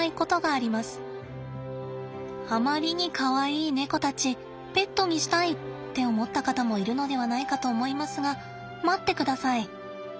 あまりにかわいいネコたち「ペットにしたい！」って思った方もいるのではないかと思いますが待ってください。